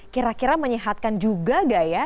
kira kira menyehatkan juga gak ya